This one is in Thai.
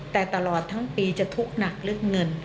แต่ตลอดทั้งปีจะทุกข์หนักลึกเงิน